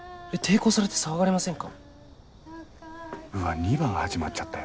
高き理想をうわ２番始まっちゃったよ。